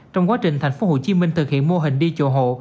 trong quá trình tp hcm thực hiện mô hình đi chùa hộ